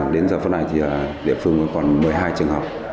đến giờ phút này thì địa phương còn một mươi hai trường học